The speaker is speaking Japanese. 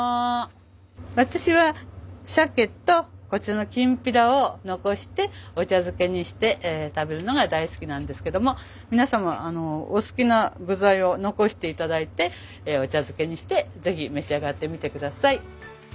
私はシャケとこちらのきんぴらを残してお茶漬けにして食べるのが大好きなんですけども皆様お好きな具材を残して頂いてお茶漬けにして是非召し上がってみて下さい。